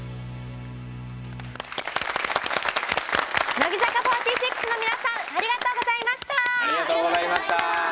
乃木坂４６の皆さんありがとうございました。